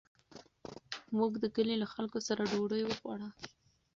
موږ د کلي له خلکو سره ډوډۍ وخوړه.